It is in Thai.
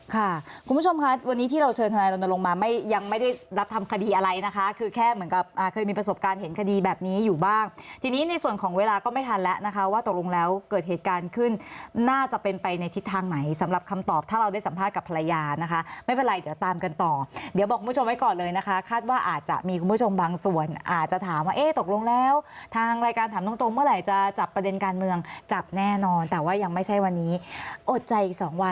ค่ะคุณผู้ชมคะวันนี้ที่เราเชิญธนายค์ลงมายังไม่ได้รับทำคดีอะไรนะคะคือแค่เหมือนกับเคยมีประสบการณ์เห็นคดีแบบนี้อยู่บ้างทีนี้ในส่วนของเวลาก็ไม่ทันแล้วนะคะว่าตกลงแล้วเกิดเหตุการณ์ขึ้นน่าจะเป็นไปในทิศทางไหนสำหรับคำตอบถ้าเราได้สัมภาษณ์กับภรรยานะคะไม่เป็นไรเดี๋ยวตามกันต่อเดี๋ยวบ